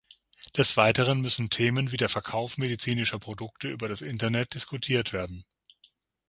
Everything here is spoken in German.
Des Weiteren müssen Themen wie der Verkauf medizinischer Produkte über das Internet diskutiert werden.